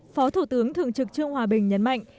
phó thủ tướng thường trực trương hòa bình nhấn mạnh